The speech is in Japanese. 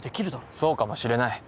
そうかもしれない。